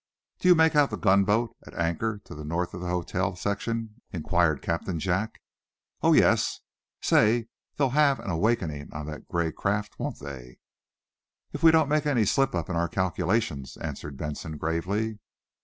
"Do you make out the gunboat, at anchor to the north of the hotel section?" inquired Captain Jack. "Oh, yes. Say, they'll have an awakening on that gray craft, won't they?" "If we don't make any slip in our calculations," answered Benson, gravely.